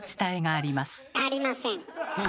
ありません。